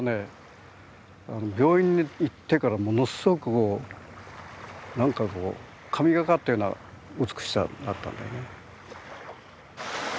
病院に行ってからものすごく何かこう神がかったような美しさになったんだよね。